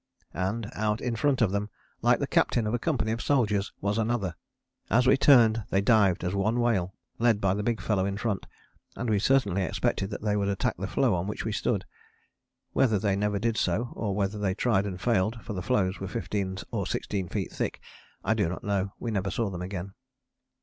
And out in front of them, like the captain of a company of soldiers, was another. As we turned they dived as one whale, led by the big fellow in front, and we certainly expected that they would attack the floe on which we stood. Whether they never did so, or whether they tried and failed, for the floes here were fifteen or sixteen feet thick, I do not know; we never saw them again.